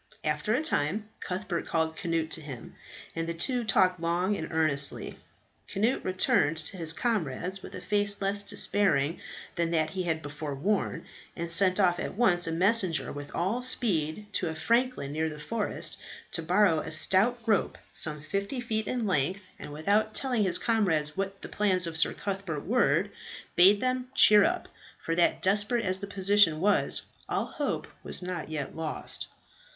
After a time, Cuthbert called Cnut to him, and the two talked long and earnestly. Cnut returned to his comrades with a face less despairing than that he had before worn, and sent off at once a messenger with all speed to a franklin near the forest to borrow a stout rope some fifty feet in length, and without telling his comrades what the plans of Sir Cuthbert were, bade them cheer up, for that desperate as the position was, all hope was not yet lost.